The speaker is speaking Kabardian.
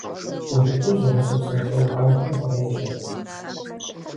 ТӀурытӀу зэгъусэ псалъэухахэм фыкъеджэ.